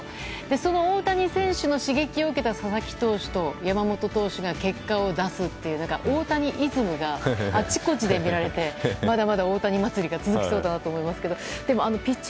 その大谷選手の刺激を受けた佐々木投手と山本投手が結果を出すというオオタニイズムがあちこちで見られてまだまだ大谷祭りが続きそうだなと思いますけどピッチ